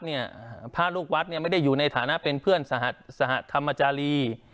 ภพลูกวัดนี้ไม่ได้ในฐานะเป็นเพื่อนสหภัตริย์ธรรมจารี